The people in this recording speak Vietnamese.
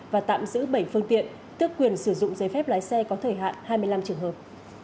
và tạm giữ bảy phương tiện tước quyền sử dụng giấy phép lái xe có thời hạn hai mươi năm trường hợp